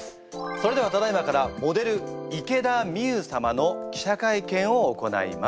それではただいまからモデル池田美優様の記者会見を行います。